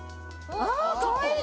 かわいい！